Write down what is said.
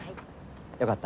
よかった。